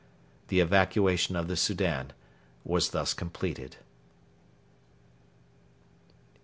The evacuation of the Soudan was thus completed.